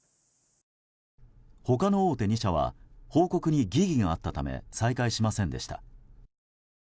他の大手２社は報告に疑義があったため再開しませんでした。